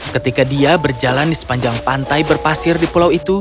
ketika dia berjalan di sepanjang pantai berpasir di pulau itu